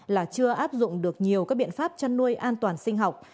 là chưa áp dụng được nhiều các biện pháp chăn nuôi an toàn sinh học